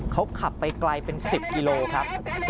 เขาขับไปไกลเป็น๑๐กิโลครับ